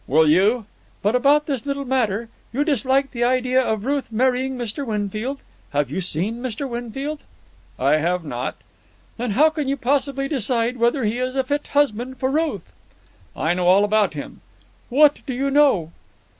"Will you——" "But about this little matter. You dislike the idea of Ruth marrying Mr. Winfield? Have you seen Mr. Winfield?" "I have not." "Then how can you possibly decide whether he is a fit husband for Ruth?" "I know all about him." "What do you know?"